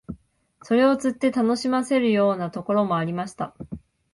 それを釣って楽しませるようなところもありました